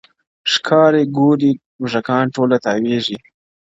o ښکاري ګوري موږکان ټوله تاوېږي,